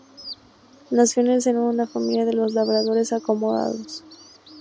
Nació en el seno de una familia de labradores acomodados.